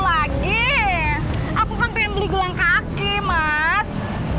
saya ingin membeli gelang kaki mas